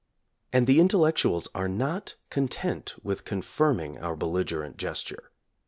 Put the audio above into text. And the in tellectuals are not content with confirming our belligerent gesture.